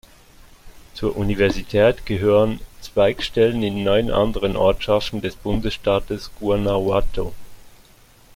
Zur Universität gehören Zweigstellen in neun anderen Ortschaften des Bundesstaates Guanajuato.